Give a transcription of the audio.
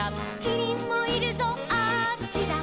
「キリンもいるぞあっちだ」